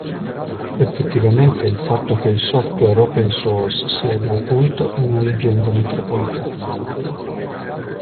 Effettivamente il fatto che il software open source sia gratuito è una leggenda metropolitana.